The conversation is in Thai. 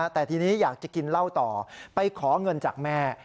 แต่ทีนี้อยากจะกินเหล้าต่อไปขอเงินจากแม่